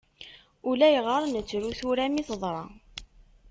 Ulayɣer nettru tura mi teḍra.